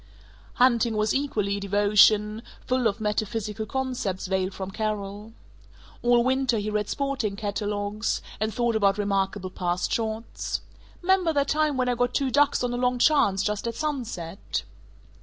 Hunting was equally a devotion, full of metaphysical concepts veiled from Carol. All winter he read sporting catalogues, and thought about remarkable past shots: "'Member that time when I got two ducks on a long chance, just at sunset?"